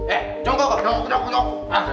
eh jangan kok